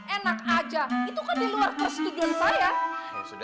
enak aja itu kan di luar persetujuan saya